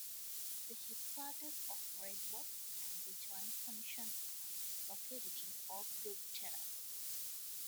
The headquarters of Redbox and the Joint Commission are located in Oakbrook Terrace.